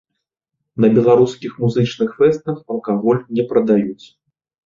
На беларускіх музычных фэстах алкаголь не прадаюць.